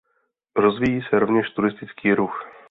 Rozvíjí se rovněž turistický ruch.